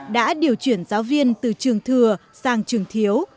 đã điều chuyển giáo viên từ trường thừa sang trường thiếu